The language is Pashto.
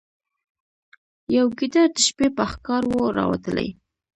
یو ګیدړ د شپې په ښکار وو راوتلی